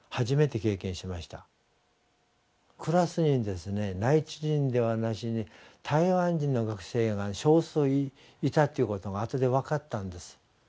クラスにですね内地人ではなしに台湾人の学生が少数いたっていうことがあとで分かったんです。